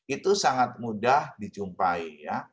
itu sangat mudah dijumpai